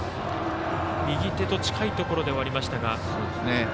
右手と近いところではありましたが。